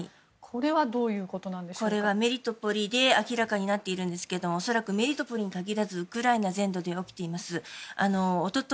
これはメリトポリで明らかになっているんですけど恐らくメリトポリに限らずウクライナ全土で起きています。